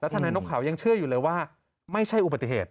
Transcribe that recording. ทนายนกเขายังเชื่ออยู่เลยว่าไม่ใช่อุบัติเหตุ